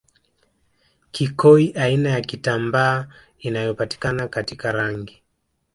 kikoi aina ya kitambaa inayopatikana katika rangi